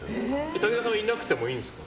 武田さんはいなくてもいいんですか？